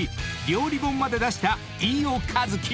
［料理本まで出した飯尾和樹］